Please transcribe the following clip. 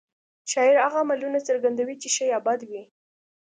شاعر هغه عملونه څرګندوي چې ښه یا بد وي